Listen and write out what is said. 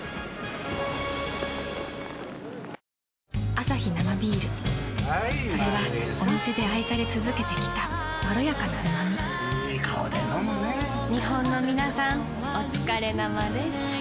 アサヒ生ビールそれはお店で愛され続けてきたいい顔で飲むね日本のみなさんおつかれ生です。